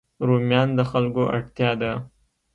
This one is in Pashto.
رومیان د خلکو اړتیا ده